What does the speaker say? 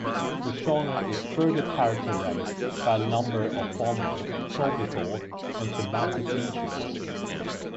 The genre is further characterized by a number of formal, topical, and thematic features.